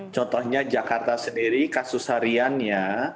contohnya jakarta sendiri kasus hariannya